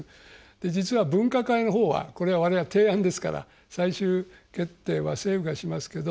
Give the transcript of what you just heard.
実は分科会のほうはこれは我々は提案ですから最終決定は政府がしますけど。